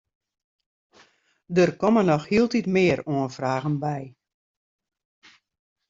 Der komme noch hieltyd mear oanfragen by.